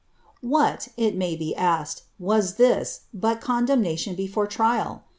What, it may be asked, was this but condemnation before trial ?